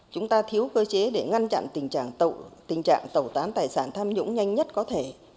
chúng ta thiếu cơ chế để ngăn chặn tình trạng tẩu tán tài sản tham nhũng nhanh nhất có thể